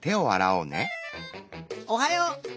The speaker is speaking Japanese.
おはよう！